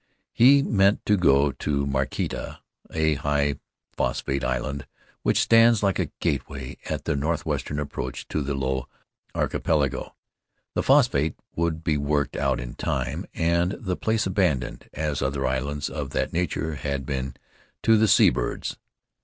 He meant to go to Maketea, a high phosphate island which stands like a gateway at the northwestern approach to the Low Archipelago. The phosphate would be worked out in time and the place abandoned, as other islands of that nature had been, to the seabirds.